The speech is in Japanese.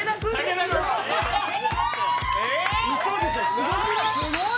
すごくない？